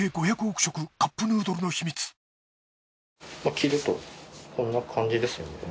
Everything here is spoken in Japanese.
着るとこんな感じですね。